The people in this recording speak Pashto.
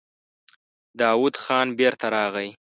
داوود خان بېرته راغی.